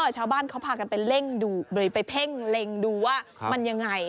ชาวบ้านเขาพากันไปเร่งดูหรือไปเพ่งเล็งดูว่ามันยังไง